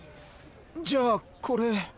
じゃあこれ。